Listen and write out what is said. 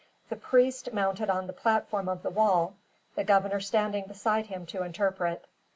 The priest mounted on the platform of the wall, the governor standing beside him to interpret.